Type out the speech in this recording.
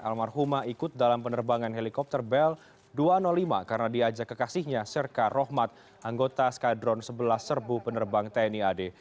almarhumah ikut dalam penerbangan helikopter bel dua ratus lima karena diajak kekasihnya serka rohmat anggota skadron sebelas serbu penerbang tni ad